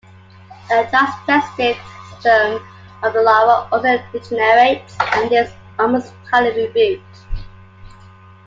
The digestive system of the larva also degenerates, and is almost entirely rebuilt.